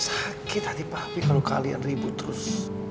sakit hati papi kalo kalian ribut terus